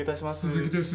鈴木です